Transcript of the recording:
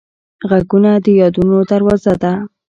غږونه د یادونو دروازه ده